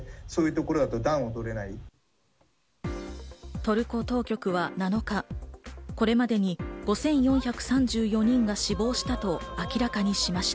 トルコ当局は７日、これまでに５４３４人が死亡したと明らかにしました。